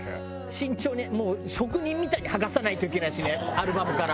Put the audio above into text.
慎重にもう職人みたいに剥がさないといけないしねアルバムから。